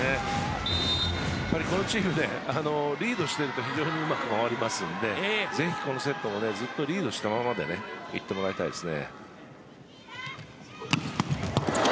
このチームってリードしていると非常にうまく回りますのでぜひこのセットをずっとリードしたままでいってもらいたいですね。